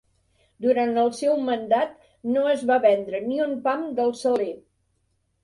Durant el seu mandat no es va vendre ni un pam del Saler.